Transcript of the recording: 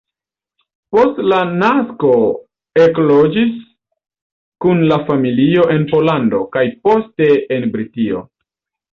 Post la nasko ekloĝis kun la familio en Pollando, kaj poste en Britio.